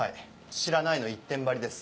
「知らない」の一点張りです。